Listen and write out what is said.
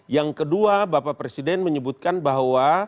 yang kedua bapak presiden menyebutkan bahwa